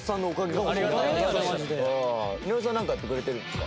井上さんなんかやってくれてるんですか？